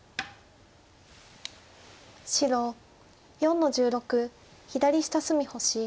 白４の十六左下隅星。